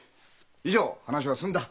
以上話は済んだ。